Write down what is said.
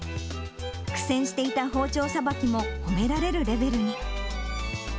苦戦していた包丁さばきも褒められるレベルに。